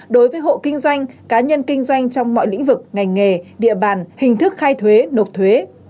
đối với hộ kinh doanh cá nhân kinh doanh trong mọi lĩnh vực ngành nghề địa bàn hình thức khai thuế nộp thuế